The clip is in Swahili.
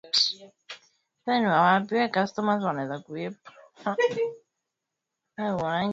Bahari ya Laptev ya Mashariki ya Siberia Bahari ya